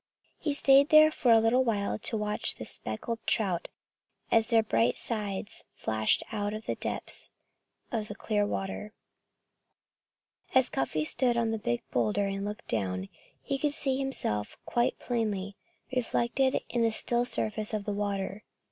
He stayed there for a little while to watch the speckled trout as their bright sides flashed out of the depths of the clear water. As Cuffy stood on the big boulder and looked down, he could see himself quite plainly, reflected in the still surface of the water.